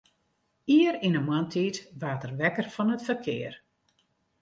Ier yn 'e moarntiid waard er wekker fan it ferkear.